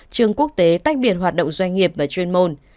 trường quốc tế tách biệt hoạt động doanh nghiệp và chuyên môn